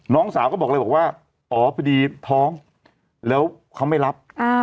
น้องสาวก็บอกเลยบอกว่าอ๋อพอดีท้องแล้วเขาไม่รับ